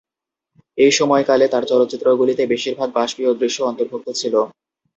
এই সময়কালে তার চলচ্চিত্রগুলিতে বেশিরভাগ বাষ্পীয় দৃশ্য অন্তর্ভুক্ত ছিল।